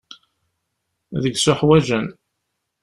Deg-s uḥwaǧen.